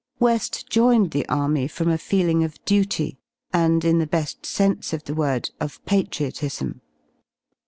i Weft joined the Army from a feeling of duty and, in the beii I sense of the word, of patriotism.